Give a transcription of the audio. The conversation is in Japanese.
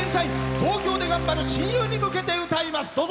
東京で頑張る親友に向けて歌います。